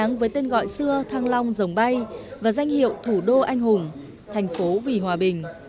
sân đáng với tên gọi xưa thang long dòng bay và danh hiệu thủ đô anh hùng thành phố vì hòa bình